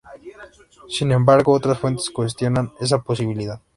Sin embargo otras fuentes cuestionan esa posibilidad.